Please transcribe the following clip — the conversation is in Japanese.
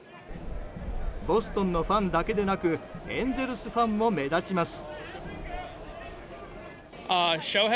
ボストンのファンだけでなくエンゼルスファンも目立ちます。